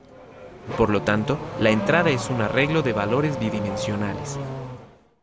Por lo tanto, la entrada es un arreglo de valores bidimensionales.